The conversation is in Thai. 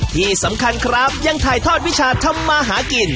ที่สำคัญครับยังถ่ายทอดวิชาทำมาหากิน